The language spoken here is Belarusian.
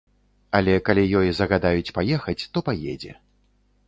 Але калі ёй загадаюць паехаць, то паедзе.